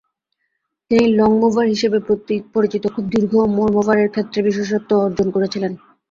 তিনি লংমুভার হিসাবে পরিচিত খুব দীর্ঘ মোরমোভারের ক্ষেত্রে বিশেষত্ব অর্জন করেছিলেন।